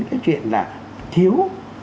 cái chuyện là thiếu